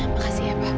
makasih ya pak